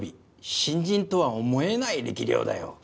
新人とは思えない力量だよ。